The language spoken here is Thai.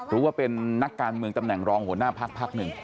รู้ว่าเป็นนักการเมืองตำแหน่งรองหัวหน้าพักพักหนึ่ง